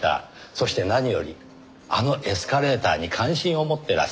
そして何よりあのエスカレーターに関心を持ってらっしゃった。